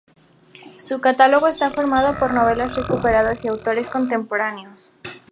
Su catálogo está formado por novelas recuperadas y autores contemporáneos.